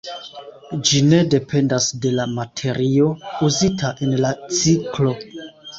Ĝi ne dependas de la materio uzita en la ciklo.